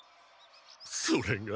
それが。